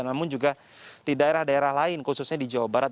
namun juga di daerah daerah lain khususnya di jawa barat